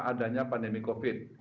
adanya pandemi covid